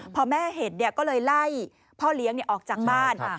พอแม่เห็นก็เลยไล่พ่อเลี้ยงออกจากบ้าน